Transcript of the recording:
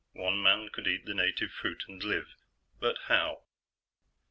One man could eat the native fruit and live ... but how?